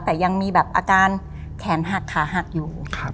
แต่ยังมีแบบอาการแขนหักขาหักอยู่